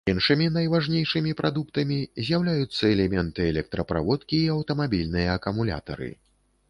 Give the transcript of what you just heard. Іншымі найважнейшымі прадуктамі з'яўляюцца элементы электраправодкі і аўтамабільныя акумулятары.